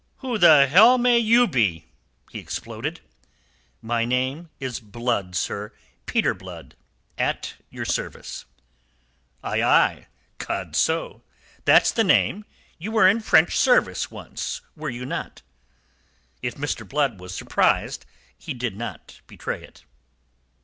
"Who the hell may you be?" he exploded. "My name is Blood, sir Peter Blood, at your service." "Aye aye! Codso! That's the name. You were in French service once, were you not?" If Mr. Blood was surprised, he did not betray it.